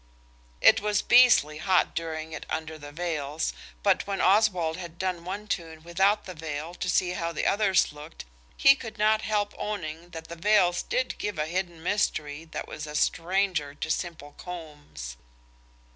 It was beastly hot doing it under the veils, but when Oswald had done one tune without the veil to see how the others looked he could not help owning that the veils did give a hidden mystery that was a stranger to simple cornbs.